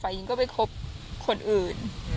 หญิงก็ไปคบคนอื่น